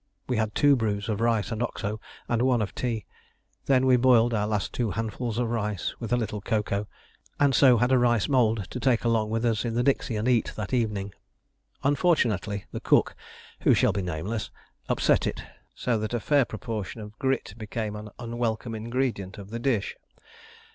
We had two brews of rice and Oxo and one of tea; then we boiled our last two handfuls of rice with a little cocoa, and so had a rice mould to take along with us in the dixie and eat that evening. Unfortunately the cook, who shall be nameless, upset it, so that a fair proportion of grit became an unwelcome ingredient of the dish.